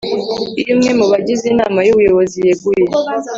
Iyo umwe mu bagize inama y ubuyobozi yeguye